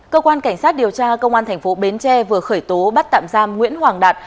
cơ quan cảnh sát điều tra công an tp bến tre vừa khởi tố bắt tạm giam nguyễn hoàng đạt